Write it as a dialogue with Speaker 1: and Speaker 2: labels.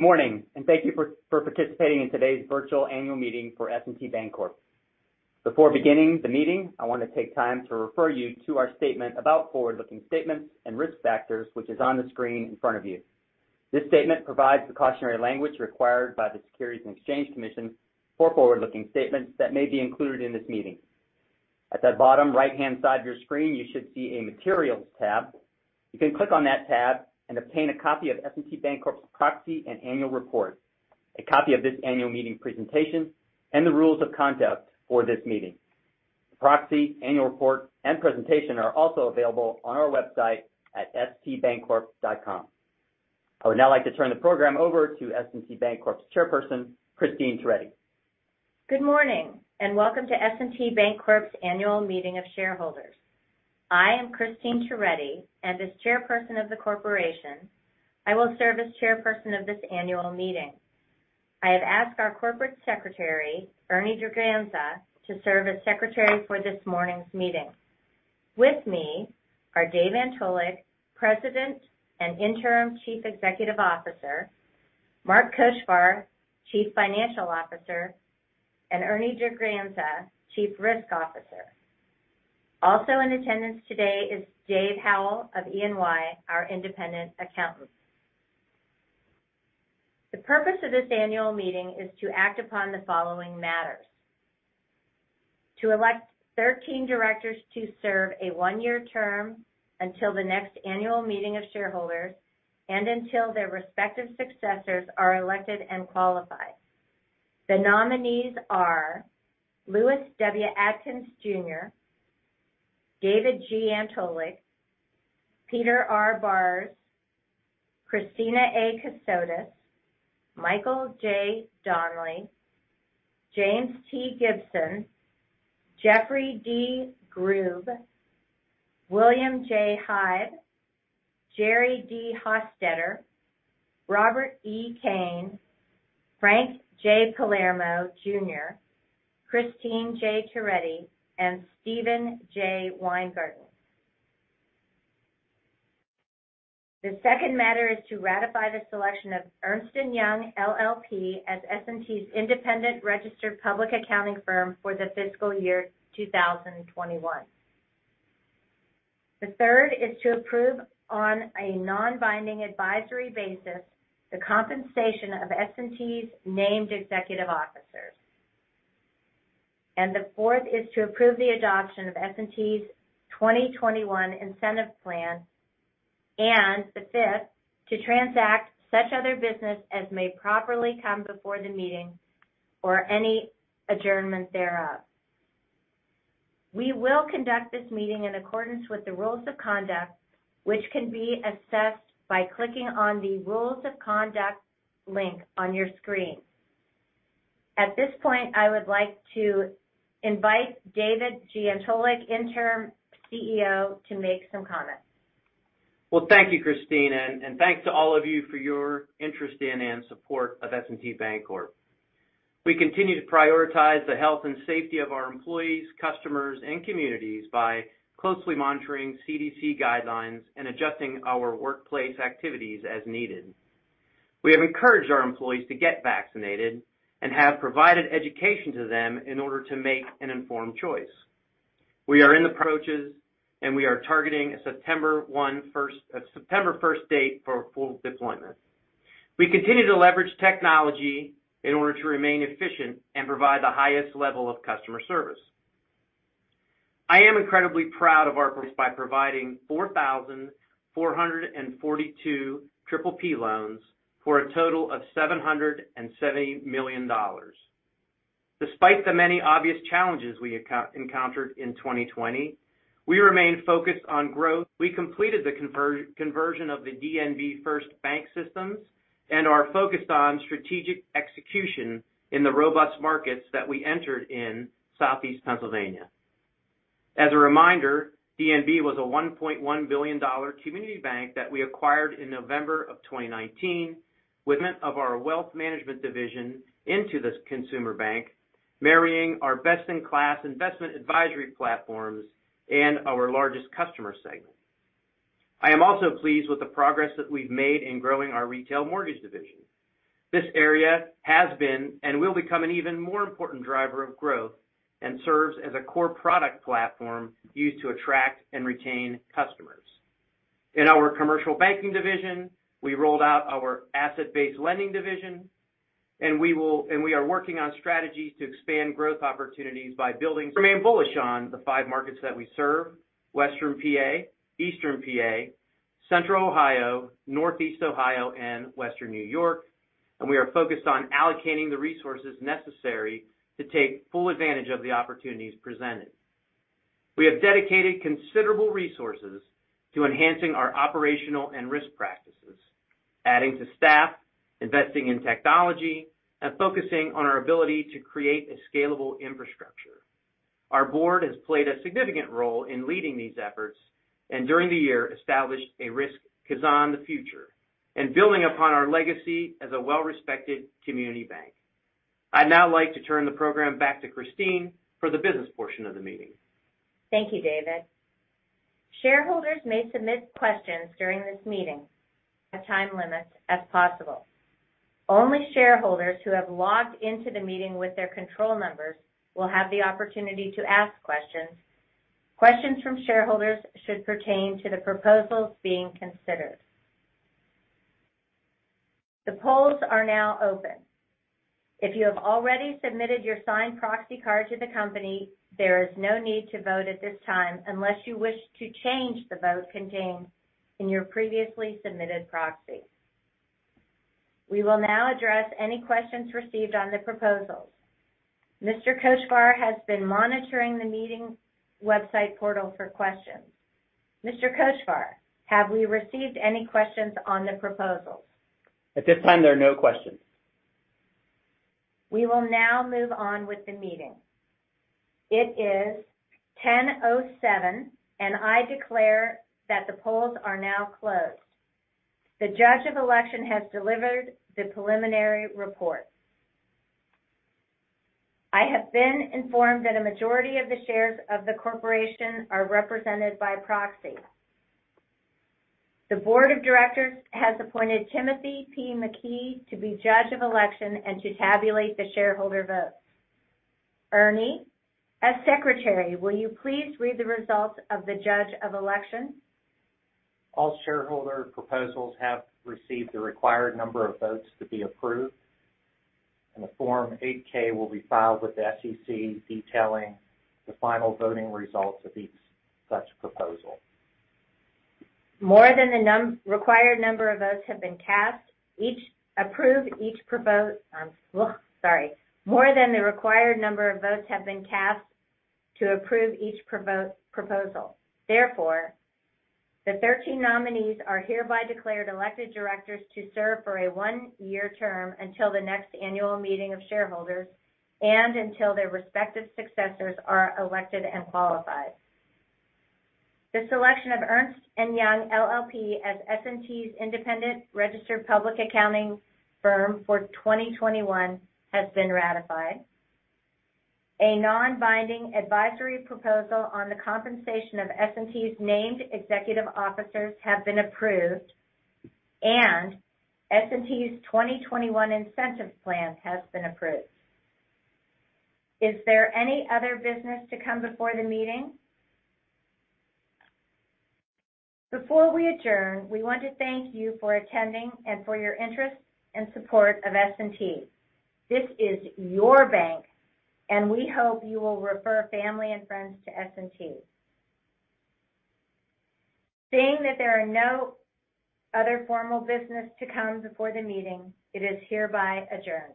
Speaker 1: Morning. Thank you for participating in today's virtual annual meeting for S&T Bancorp. Before beginning the meeting, I want to take time to refer you to our statement about forward-looking statements and risk factors, which is on the screen in front of you. This statement provides the cautionary language required by the Securities and Exchange Commission for forward-looking statements that may be included in this meeting. At the bottom right-hand side of your screen, you should see a materials tab. You can click on that tab and obtain a copy of S&T Bancorp's proxy and annual report, a copy of this annual meeting presentation, and the rules of conduct for this meeting. The proxy, annual report, and presentation are also available on our website at stbancorp.com. I would now like to turn the program over to S&T Bancorp's Chairperson, Christine Toretti.
Speaker 2: Good morning, welcome to S&T Bancorp's annual meeting of shareholders. I am Christine Toretti, and as Chairperson of the corporation, I will serve as Chairperson of this annual meeting. I have asked our Corporate Secretary, Ernie Draganza, to serve as secretary for this morning's meeting. With me are Dave Antolik, President and Interim Chief Executive Officer. Mark Kochvar, Chief Financial Officer, and Ernie Draganza, Chief Risk Officer. Also in attendance today is Dave Howell of E&Y, our independent accountant. The purpose of this annual meeting is to act upon the following matters: to elect 13 directors to serve a one-year term until the next annual meeting of shareholders and until their respective successors are elected and qualified. The nominees are Lewis W. Adkins Jr., David G. Antolik, Peter R. Barsz, Christina A. Cassotis, Michael J. Donnelly, James T. Gibson, Jeffrey D. Grube, William J. Hieb, Jerry D. Hostetter, Robert E. Kane, Frank J. Palermo Jr., Christine J. Toretti, and Steven J. Weingarten. The second matter is to ratify the selection of Ernst & Young LLP as S&T's independent registered public accounting firm for the fiscal year 2021. The third is to approve on a non-binding advisory basis the compensation of S&T's named executive officers. The fourth is to approve the adoption of S&T's 2021 Incentive Plan. The fifth, to transact such other business as may properly come before the meeting or any adjournment thereof. We will conduct this meeting in accordance with the rules of conduct, which can be accessed by clicking on the Rules of Conduct link on your screen. At this point, I would like to invite David G. Antolik, Interim CEO, to make some comments.
Speaker 3: Well, thank you, Christine, and thanks to all of you for your interest in and support of S&T Bancorp. We continue to prioritize the health and safety of our employees, customers, and communities by closely monitoring CDC guidelines and adjusting our workplace activities as needed. We have encouraged our employees to get vaccinated and have provided education to them in order to make an informed choice. We are in the process, and we are targeting a September 1st date for full deployment. We continue to leverage technology in order to remain efficient and provide the highest level of customer service. I am incredibly proud of our progress by providing 4,442 PPP loans for a total of $770 million. Despite the many obvious challenges we encountered in 2020, we remain focused on growth. We completed the conversion of the DNB First Bank systems and are focused on strategic execution in the robust markets that we entered in southeast Pennsylvania. As a reminder, DNB was a $1.1 billion community bank that we acquired in November of 2019 with the intent of our Wealth Management Division into this consumer bank, marrying our best-in-class investment advisory platforms and our largest customer segment. I am also pleased with the progress that we've made in growing our Retail Mortgage Division. This area has been and will become an even more important driver of growth and serves as a core product platform used to attract and retain customers. In our Commercial Banking Division, we rolled out our Asset-Based Lending Division. We are working on strategies to expand growth opportunities. Remain bullish on the five markets that we serve, Western P.A., Eastern P.A., Central Ohio, Northeast Ohio, and Western New York, and we are focused on allocating the resources necessary to take full advantage of the opportunities presented. We have dedicated considerable resources to enhancing our operational and risk practices, adding to staff, investing in technology, and focusing on our ability to create a scalable infrastructure. Our board has played a significant role in leading these efforts and during the year established a risk focus on the future and building upon our legacy as a well-respected community bank. I'd now like to turn the program back to Christine for the business portion of the meeting.
Speaker 2: Thank you, David. Shareholders may submit questions during this meeting, a time limit as possible. Only shareholders who have logged into the meeting with their control numbers will have the opportunity to ask questions. Questions from shareholders should pertain to the proposals being considered. The polls are now open. If you have already submitted your signed proxy card to the company, there is no need to vote at this time unless you wish to change the vote contained in your previously submitted proxy. We will now address any questions received on the proposals. Mr. Kochvar has been monitoring the meeting website portal for questions. Mr. Kochvar, have we received any questions on the proposals?
Speaker 4: At this time, there are no questions.
Speaker 2: We will now move on with the meeting. It is 10:07 A.M. I declare that the polls are now closed. The Judge of Election has delivered the preliminary report. I have been informed that a majority of the shares of the corporation are represented by proxy. The Board of Directors has appointed Timothy P. McKee to be Judge of Election and to tabulate the shareholder votes. Ernie, as Secretary, will you please read the results of the Judge of Election?
Speaker 5: All shareholder proposals have received the required number of votes to be approved, and a Form 8-K will be filed with the SEC detailing the final voting results of each such proposal.
Speaker 2: More than the required number of votes have been cast to approve each proposal. Therefore, the 13 nominees are hereby declared elected directors to serve for a one-year term until the next annual meeting of shareholders and until their respective successors are elected and qualified. The selection of Ernst & Young LLP as S&T's independent registered public accounting firm for 2021 has been ratified. A non-binding advisory proposal on the compensation of S&T's named executive officers has been approved, and S&T's 2021 Incentive Plan has been approved. Is there any other business to come before the meeting? Before we adjourn, we want to thank you for attending and for your interest and support of S&T. This is your bank, and we hope you will refer family and friends to S&T. Seeing that there are no other formal business to come before the meeting, it is hereby adjourned.